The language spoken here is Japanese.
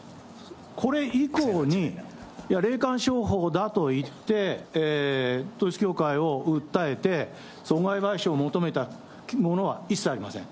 これ以降に霊感商法だといって、統一教会を訴えて、損害賠償を求めたものは一切ありません。